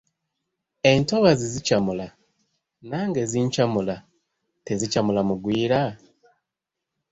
"Entobazzi zikyamula , nange zinkyamula , tezikyamula mugwira?"